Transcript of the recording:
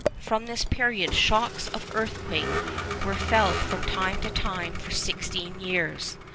From this period shocks of earthquake were felt from time to time for sixteen years.